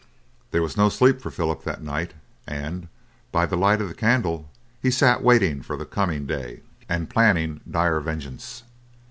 There was no sleep for Philip that night, and, by the light of the candle, he sat waiting for the coming day, and planning dire vengeance.